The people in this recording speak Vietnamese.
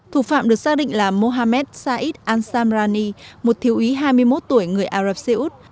thủ phạm được xác định là mohammed said ansamrani một thiếu ý hai mươi một tuổi người ả rập xê út